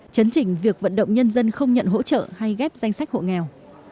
chấn trình việc vận động nhân dân không nhận hỗ trợ hay ghép danh sách hộ nghèo